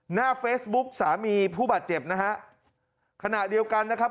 หน้าเฟซบุ๊กสามีผู้บาดเจ็บนะฮะขณะเดียวกันนะครับ